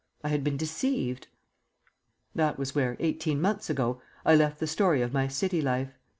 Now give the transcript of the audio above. I had been deceived. ..... That was where, eighteen months ago, I left the story of my City life.